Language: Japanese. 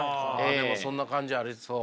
でもそんな感じありそう。